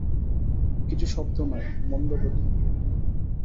কিছু শব্দ নাই, মন্দগতি।